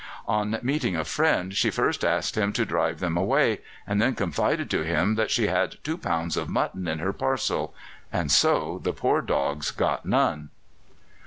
On meeting a friend, she first asked him to drive them away, and then confided to him that she had two pounds of mutton in her parcel. And so the poor dogs got none!